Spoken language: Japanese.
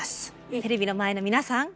テレビの前の皆さん！